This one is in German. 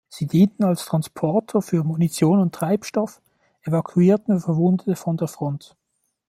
Sie dienten als Transporter für Munition und Treibstoff, evakuierten Verwundete von der Front.